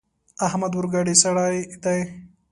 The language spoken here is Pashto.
احمد اورګډی سړی دی.